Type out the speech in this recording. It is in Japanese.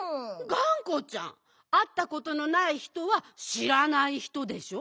がんこちゃんあったことのないひとはしらないひとでしょ。